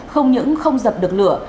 không những không giập được lửa